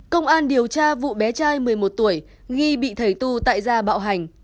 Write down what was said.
công an điều tra vụ bé trai một mươi một tuổi nghi bị thầy tu tại gia bảo hành